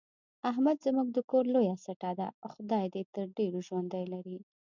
احمد زموږ د کور لویه سټه ده، خدای دې تر ډېرو ژوندی لري.